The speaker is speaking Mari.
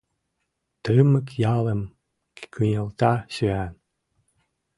Тымык ялым кынелта сӱан.